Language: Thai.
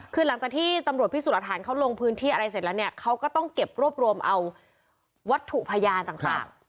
คือหลังจากที่ตำรวจพิสูจน์หลักฐานเขาลงพื้นที่อะไรเสร็จแล้วเนี่ยเขาก็ต้องเก็บรวบรวมเอาวัตถุพยานต่าง